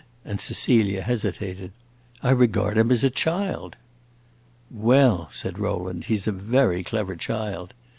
and Cecilia hesitated. "I regard him as a child!" "Well," said Rowland, "he 's a very clever child.